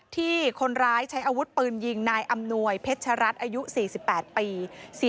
ที่คนร้ายใช้อาวุธปืนยิงนายอำนวยเพชรัตน์อายุ๔๘ปี